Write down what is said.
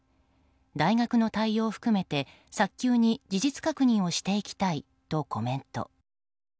大学の対応含めて早急に事実確認をしていきたいとコメント。